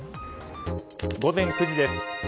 午前９時です。